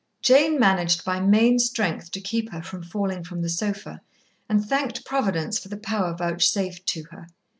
Jane managed by main strength to keep her from falling from the sofa, and thanked Providence for the power vouchsafed to her.